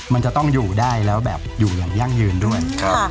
มันจะต้องอยู่ได้แล้วแบบอยู่อย่างยั่งยืนด้วย